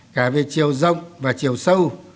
cả về chiều rộng và chiều sâu